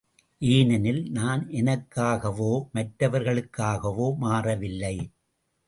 ஏனெனில், நான் எனக்காகவோ, மற்றவர்களுக்காகவோ மாறவில்லை.